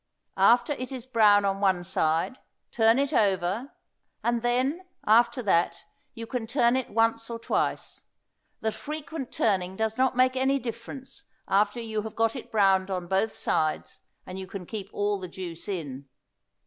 After it is brown on one side, turn it over; and then, after that, you can turn it once or twice; the frequent turning does not make any difference after you have got it browned on both sides and you can keep all the juice in.